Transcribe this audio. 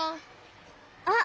あっ！